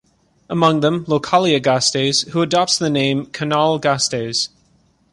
Among them, Localia Gasteiz, who adopts the name Canal Gasteiz.